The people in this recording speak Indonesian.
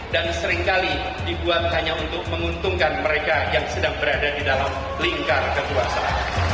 dan seringkali dibuat hanya untuk menguntungkan mereka yang sedang berada di dalam lingkar kekuasaan